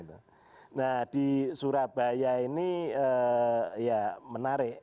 nah di surabaya ini ya menarik